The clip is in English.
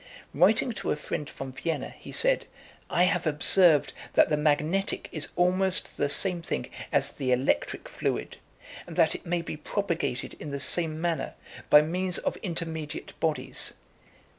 Writing to a friend from Vienna, he said, "I have observed that the magnetic is almost the same thing as the electric fluid, and that it may be propagated in the same manner, by means of intermediate bodies.